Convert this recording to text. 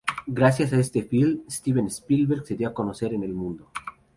Gracias a este film, Steven Spielberg se dio a conocer en el mundo.